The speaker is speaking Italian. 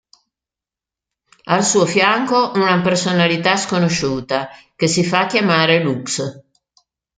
Al suo fianco, una personalità sconosciuta che si fa chiamare Lux.